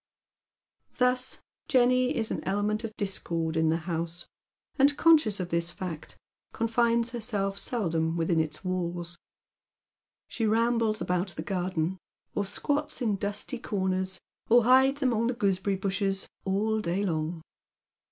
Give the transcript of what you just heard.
Thus Jenny is an element of discord in the house, and, con ecious of this fact, confines herself but seldom within its walls. She rambles about the garden, or squats in dusty corners, or hides among the gooseberry bushes all day long.